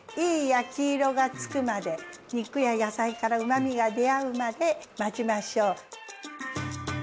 いい焼き色がつくまで肉や野菜からうまみが出会うまで待ちましょう。